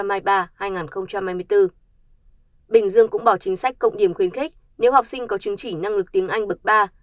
bình dương cũng bỏ chính sách cộng điểm khuyến khích nếu học sinh có chứng chỉ năng lực tiếng anh bậc ba